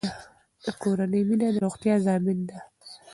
د کورنۍ مینه د روغتیا ضامن ده.